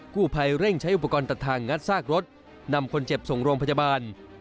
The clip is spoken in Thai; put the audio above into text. ผู้ภัยเร่งใช้อุปกรณ์ตัดทางงัดซากรถนำคนเจ็บส่งโรงพยาบาล